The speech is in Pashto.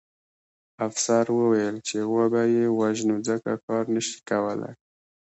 افسر وویل چې وبه یې وژنو ځکه کار نه شي کولی